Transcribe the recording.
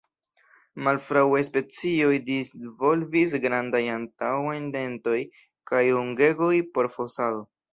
Malfruaj specioj disvolvis grandajn antaŭajn dentoj kaj ungegoj por fosado.